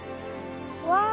わあ！